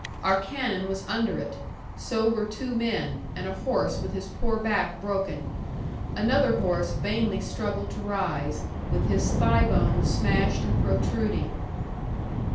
Our cannon was under it, so were two men, and a horse with his poor back broken. Another horse vainly struggled to rise, with his thigh bone smashed and protruding.